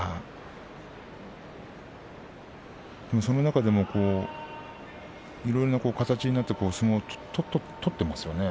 その中でもいろいろな形になって相撲を取っていますよね。